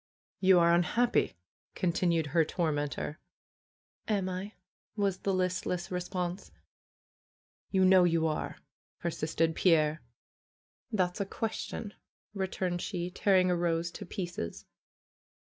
"You are unhappy!" continued her tormentor. "Am I?" was the listless response. "You know you are!" persisted Pierre. ^40 FAITH ^^Thafs a question!" returned she, tearing a rose to pieces.